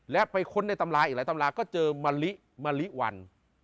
แล้วไปค้นในอีกหลายตำราก็เจอมะลิวัน